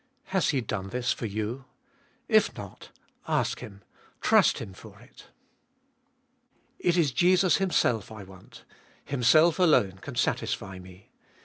Has He done this for you ? If not, ask Him, trust Him for it, 2. It is Jesus Himself I want. Himself alone can satisfy me.